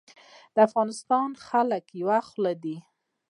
د افغانستان خلک یوه خوله دي